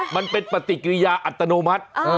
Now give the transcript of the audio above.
มันเป็นปฏิกิริยาอัตโนมัติ